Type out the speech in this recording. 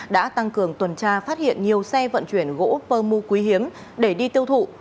đã tăng cường tuần tra phát hiện nhiều xe vận chuyển gỗ pơ mu quý hiếm để đi tiêu thụ